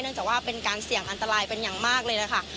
จากว่าเป็นการเสี่ยงอันตรายเป็นอย่างมากเลยนะคะ